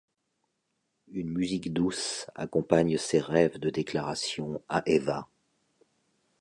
Une musique douce accompagne ses rêves de déclaration à Eva.